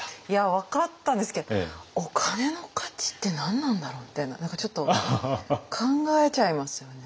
分かったんですけどお金の価値って何なんだろうみたいな何かちょっと考えちゃいますよね。